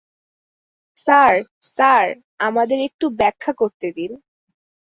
Sir, sir, আমাদের একটু ব্যাখ্যা করতে দিন!